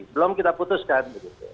belum kita putuskan